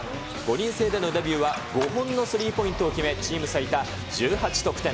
５人制でのデビューは５本のスリーポイントを決め、チーム最多１８得点。